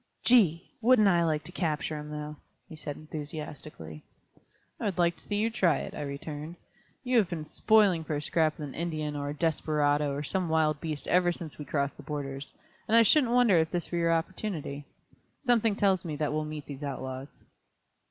"Gee! Wouldn't I like to capture 'em, though!" he said enthusiastically. "I would like to see you try it," I returned; "you have been 'spoiling' for a scrap with an Indian, or a desperado, or some wild beast ever since we crossed the borders, and I shouldn't wonder if this were your opportunity. Something tells me that we'll meet these outlaws."